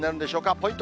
ポイント